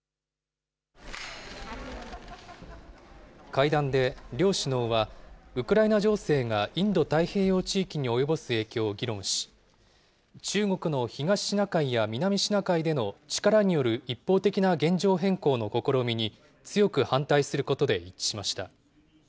会談で両首脳は、ウクライナ情勢がインド太平洋地域に及ぼす影響を議論し、中国の東シナ海や南シナ海での力による一方的な現状変更の試みに強く反対することで一致しました。